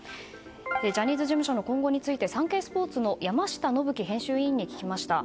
ジャニーズ事務所の今後についてサンケイスポーツの山下伸基編集委員に聞きました。